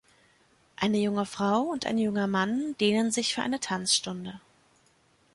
Eine junge Frau und ein junger Mann dehnen sich für eine Tanzstunde